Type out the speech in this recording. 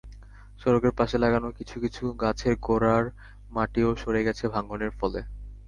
সড়কের পাশে লাগানো কিছু কিছু গাছের গোড়ার মাটিও সরে গেছে ভাঙনের ফলে।